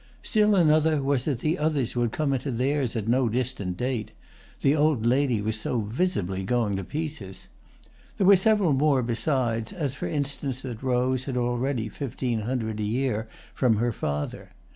Still another was that the others would come into theirs at no distant date; the old lady was so visibly going to pieces. There were several more besides, as for instance that Rose had already fifteen hundred a year from her father.